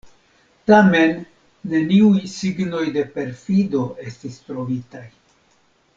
Tamen, neniuj signoj de perfido estis trovitaj.